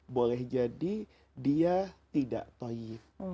boleh jadi dia tidak toyif